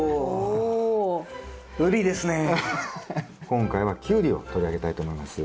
今回はキュウリを取り上げたいと思います。